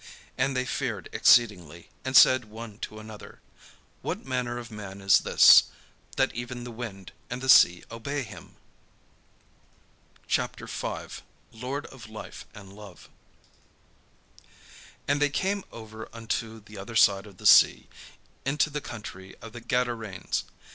And they feared exceedingly, and said one to another: "What manner of man is this, that even the wind and the sea obey him?" CHAPTER V LORD OF LIFE AND LOVE And they came over unto the other side of the sea, into the country of the Gadarenes.